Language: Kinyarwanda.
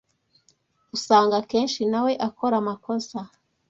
usanga akenshi na we akora amakosa